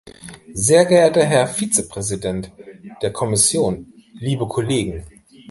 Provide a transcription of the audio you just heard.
Sehr geehrter Herr Vizepräsident der Kommission, liebe Kollegen!